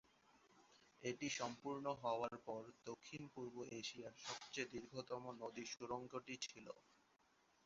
এটি সম্পূর্ণ হওয়ার পর দক্ষিণ-পূর্ব এশিয়ার সবচেয়ে দীর্ঘতম নদী সুড়ঙ্গটি ছিল।